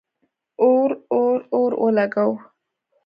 اور، اور، اور ولګوو